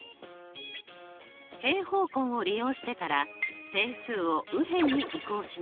平方根を利用してから定数を右辺に移項します。